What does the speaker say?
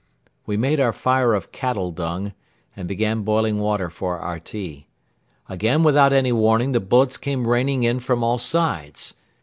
We made our fire of cattle dung and began boiling water for our tea. Again without any warning the bullets came raining in from all sides.